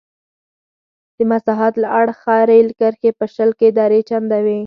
د مساحت له اړخه رېل کرښې په شل کې درې چنده وې.